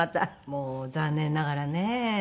もう残念ながらね。